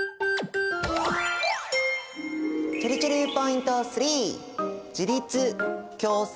ちぇるちぇるポイント３。